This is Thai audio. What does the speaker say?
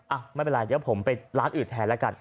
อ้าวแม่เป็นไหลเดี๋ยวผมเป็นร้านอื่นแทนละกัน